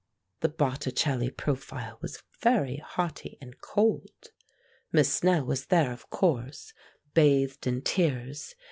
The Botticelli profile was very haughty and cold. Miss Snell was there, of course, bathed in tears.